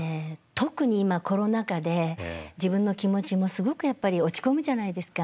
特に今コロナ禍で自分の気持ちもすごくやっぱり落ち込むじゃないですか。